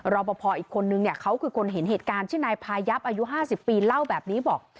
รอปภอีกคนนึงเนี่ยเขาคือคนเห็นเหตุการณ์ชื่อนายพายับอายุ๕๐ปีเล่าแบบนี้บอก